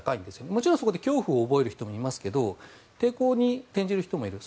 もちろんそこで恐怖を覚える人もいますが抵抗に転じる人もいる。